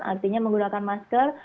artinya menggunakan masker